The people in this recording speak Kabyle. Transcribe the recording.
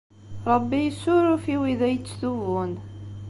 Ṛebbi yessuruf i wid ay yettetubun.